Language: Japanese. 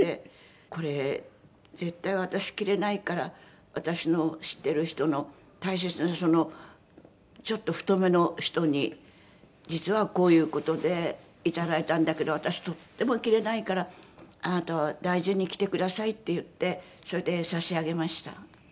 これ絶対私着れないから私の知ってる人のそのちょっと太めの人に「実はこういう事でいただいたんだけど私とっても着れないからあなたは大事に着てください」って言ってそれで差し上げました。